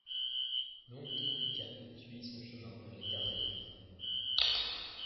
L'onde tropicale poursuivit son chemin vers les Caraïbes.